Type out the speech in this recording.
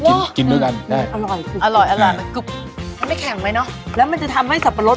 มันจะทำให้สับปะรสไม่แตะ